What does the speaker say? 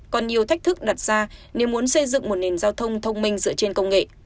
còn nhiều thách thức đặt ra nếu muốn xây dựng một nền giao thông thông minh dựa trên công nghệ